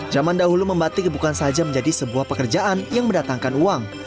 zaman dahulu membatik bukan saja menjadi sebuah pekerjaan yang mendatangkan uang